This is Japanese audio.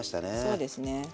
そうですね。